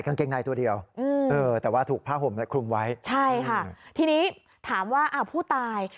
กางเกงในตัวเดียวอืมเออแต่ว่าถูกผ้าห่มและคลุมไว้ใช่ค่ะทีนี้ถามว่าอ้าวผู้ตาย